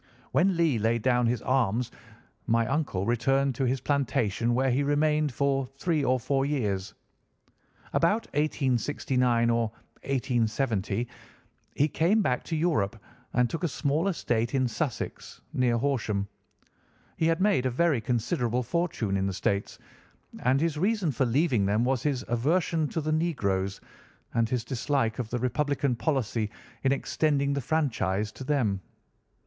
When Lee laid down his arms my uncle returned to his plantation, where he remained for three or four years. About 1869 or 1870 he came back to Europe and took a small estate in Sussex, near Horsham. He had made a very considerable fortune in the States, and his reason for leaving them was his aversion to the negroes, and his dislike of the Republican policy in extending the franchise to them.